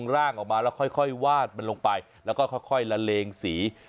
แล้วค่อยวาดมันลงไปแล้วก็ค่อยละเลงสี